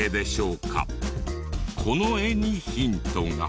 この画にヒントが。